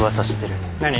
何？